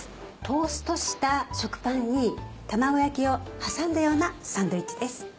トーストした食パンに卵焼きを挟んだようなサンドイッチです。